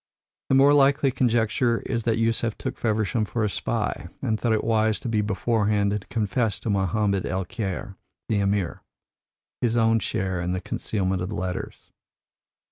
The more likely conjecture is that Yusef took Feversham for a spy, and thought it wise to be beforehand and to confess to Mohammed el Kheir, the Emir, his own share in the concealment of the letters.